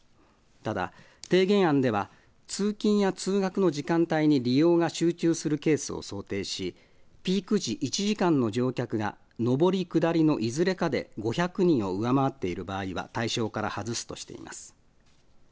ただ提言案では通勤や通学の時間帯に利用が集中するケースを想定しピーク時、１時間の乗客が上り・下りのいずれかで５００人を上回っている場合は対象から外すとしています。